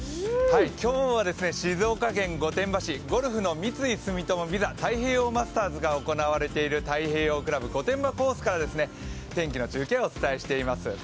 今日は静岡県御殿場市、ゴルフの三井住友ＶＩＳＡ太平洋マスターズが行われている、太平洋クラブ御殿場コースから天気の中継をお伝えしています。